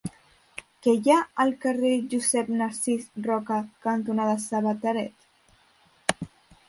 Què hi ha al carrer Josep Narcís Roca cantonada Sabateret?